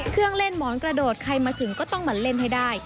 เครื่องเล่นหมอนกระโดดใครมาถึงก็ต้องมาเล่นให้ได้